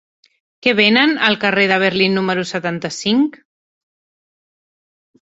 Què venen al carrer de Berlín número setanta-cinc?